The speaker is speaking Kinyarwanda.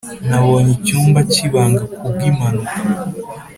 nabonye icyumba cyibanga kubwimpanuka.